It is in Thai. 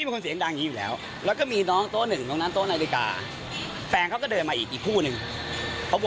เขาก็คงหาว่าผมด่าเขา